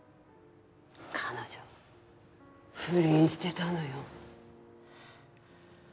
彼女不倫してたのよ。